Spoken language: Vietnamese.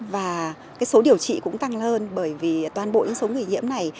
và cái số điều trị cũng tăng hơn bởi vì toàn bộ những số người nhiễm này